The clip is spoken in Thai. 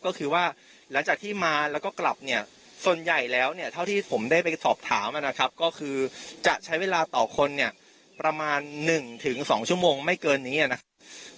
ก็คือว่าหลังจากที่มาแล้วก็กลับเนี่ยส่วนใหญ่แล้วเนี่ยเท่าที่ผมได้ไปสอบถามนะครับก็คือจะใช้เวลาต่อคนเนี่ยประมาณ๑๒ชั่วโมงไม่เกินนี้นะครับ